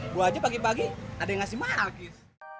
gue aja pagi pagi ada yang ngasih marakis